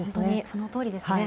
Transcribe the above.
そのとおりですね。